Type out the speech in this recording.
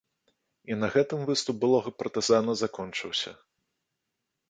І на гэтым выступ былога партызана закончыўся.